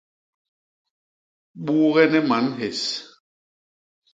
Buugene man hés!